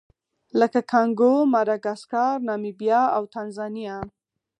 لکه کانګو، ماداګاسکار، نامبیا او تانزانیا.